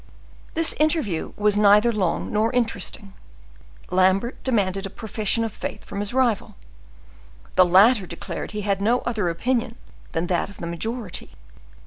This interview was neither long nor interesting: Lambert demanded a profession of faith from his rival. The latter declared he had no other opinion than that of the majority.